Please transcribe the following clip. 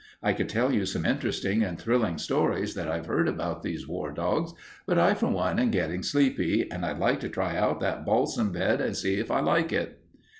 I could tell you some interesting and thrilling stories that I've heard about these war dogs, but I for one am getting sleepy and I'd like to try out that balsam bed and see if I like it."